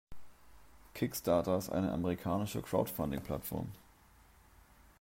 Kickstarter ist eine amerikanische Crowdfunding-Plattform.